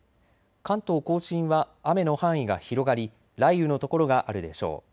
関東甲信は雨の範囲が広がり雷雨の所があるでしょう。